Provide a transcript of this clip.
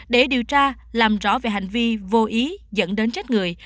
để điều tra làm rõ về hành vi vô ý dẫn đến chết người